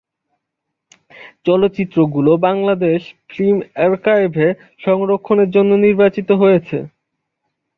চলচ্চিত্রগুলো বাংলাদেশ ফিল্ম আর্কাইভে সংরক্ষণের জন্য নির্বাচিত হয়েছে।